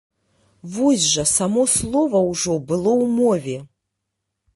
Вось жа само слова ўжо было ў мове.